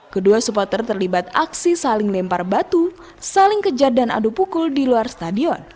kedua supporter terlibat aksi saling lempar batu saling kejar dan adu pukul di luar stadion